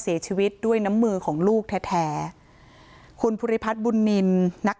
เสียชีวิตด้วยน้ำมือของลูกแท้แท้คุณภูริพัฒน์บุญนินนัก